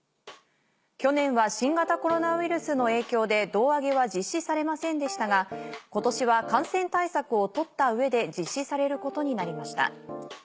「去年は新型コロナウイルスの影響で胴上げは実施されませんでしたが今年は感染対策を取った上で実施されることになりました。